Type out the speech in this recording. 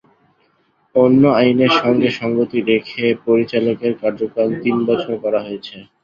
অন্য আইনের সঙ্গে সংগতি রেখে পরিচালকের কার্যকাল তিন বছর করা হয়েছে।